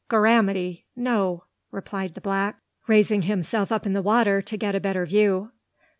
"Gorramity, no!" replied the black, raising himself up in the water to get a better view.